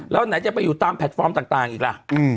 แล้วไหนจะไปอยู่ตามแพลตฟอร์มต่างอีกล่ะ